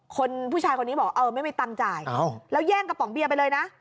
คนผู้ชายคนนี้บอกเออไม่มีตังค์จ่ายแล้วแย่งกระป๋องเบียร์ไปเลยนะ